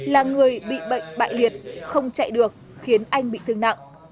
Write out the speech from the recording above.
là người bị bệnh bại liệt không chạy được khiến anh bị thương nặng